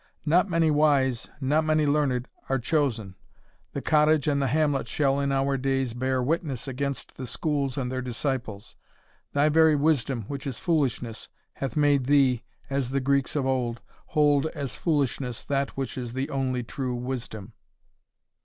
not many wise, not many learned are chosen; the cottage and the hamlet shall in our days bear witness against the schools and their disciples. Thy very wisdom, which is foolishness, hath made thee, as the Greeks of old, hold as foolishness that which is the only true wisdom."